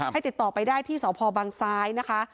ให้ติดต่อไปได้ที่สพซนะคะ